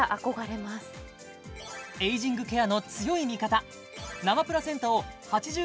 エイジングケアの強い味方